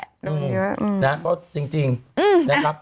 มันเยอะนะครับก็จริงนะครับ